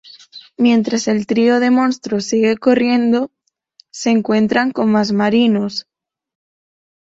Mientras el trío de monstruos sigue corriendo, se encuentran con más marinos.